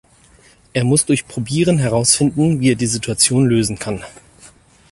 Er muss durch probieren herausfinden, wie er die Situation lösen kann.